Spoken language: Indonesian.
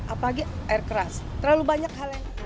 apalagi air keras terlalu banyak hal yang